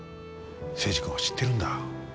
征二君を知ってるんだ。